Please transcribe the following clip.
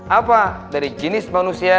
apa dari jenis manusia